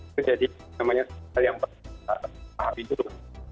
itu jadi namanya hal yang perlu kita pahami dulu